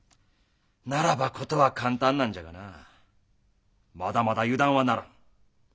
ならば事は簡単なんじゃがなまだまだ油断はならん。